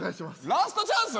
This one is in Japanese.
ラストチャンス？